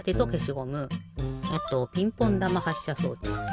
あとピンポンだまはっしゃ装置。